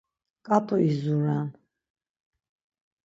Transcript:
K̆at̆u izuren.